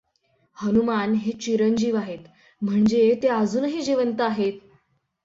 हनुमान हे चिरंजीव आहेत म्हणजे ते अजूनही जिवंत आहेत.